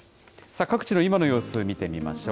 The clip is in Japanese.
各地の今の様子、見てみましょう。